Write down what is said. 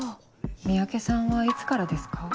三宅さんはいつからですか？